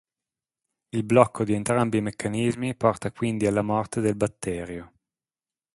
Il blocco di entrambi i meccanismi porta quindi alla morte del batterio.